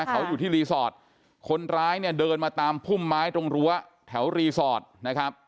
เขาอยู่ที่รีสอร์ทคนร้ายเนี่ยเดินมาตามพุ่มไม้ตรงรั้วแถวรีสอร์ทนะครับ